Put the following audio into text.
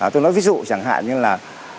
tôi nói ví dụ chẳng hạn như là